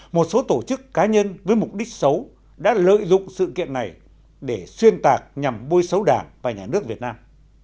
một số tổ chức cá nhân với mục đích xấu đã lợi dụng sự kiện này để xuyên tạc nhằm bôi xấu đảng và nhà nước việt nam